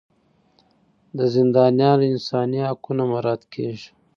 د زندانیانو انساني حقونه مراعات کیږي.